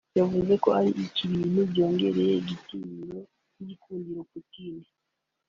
yavuze ko ari ibintu byongereye igitinyiro n’igikundiro Putin